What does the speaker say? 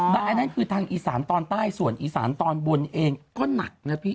แต่อันนั้นคือทางอีสานตอนใต้ส่วนอีสานตอนบนเองก็หนักนะพี่